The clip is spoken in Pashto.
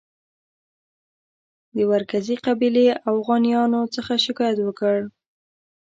د ورکزي قبیلې اوغانیانو څخه شکایت وکړ.